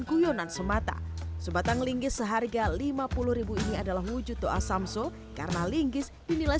guyonan semata sebatang linggis seharga lima puluh ini adalah wujud doa samsu karena linggis dinilai